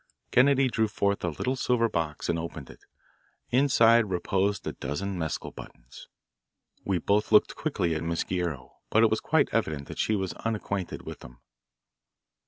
Kennedy drew forth a little silver box and opened it. Inside reposed a dozen mescal buttons. We both looked quickly at Miss Guerrero, but it was quite evident that she was unacquainted with them.